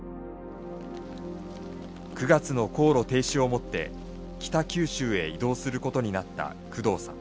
９月の高炉停止をもって北九州へ異動することになった久藤さん。